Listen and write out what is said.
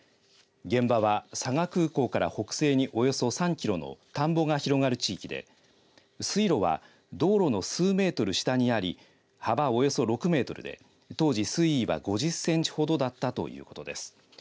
現場は佐賀空港から北西におよそ３キロの田んぼが広がる地域で水路は道路の数メートル下にあり幅およそ６メートルで当時、水位は５０センチほどだったということです。